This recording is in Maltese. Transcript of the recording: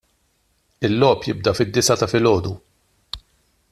Il-logħob jibda fid-disgħa ta' filgħodu.